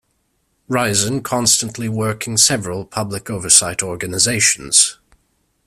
Ryazan constantly working several public oversight organizations.